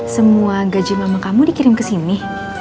semua gaji mama kamu dikirim kesini